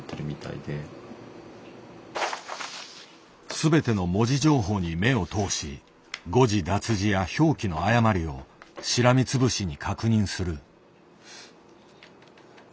全ての文字情報に目を通し誤字脱字や表記の誤りをしらみつぶしに確認する。